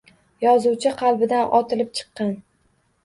Yozuvchi qalbidan otilib chiqqan